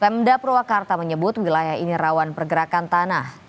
pemda purwakarta menyebut wilayah ini rawan pergerakan tanah